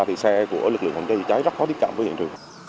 thì xe của lực lượng phòng cháy cháy rất khó tiếp cận với hiện trường